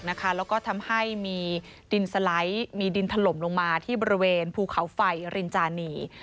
แล้วก็ทำให้มีดินสไลด์มีดินถล่มลงมาที่บริเวณภูเขาไฟรินจานี